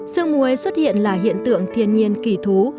sương muối xuất hiện là hiện tượng thiên nhiên kỳ thú